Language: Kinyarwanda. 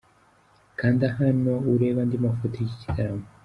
Kanda hano urebe andi mafoto y’iki gitaramo.